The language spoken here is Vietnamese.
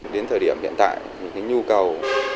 đến thời điểm hiện tại những nhu cầu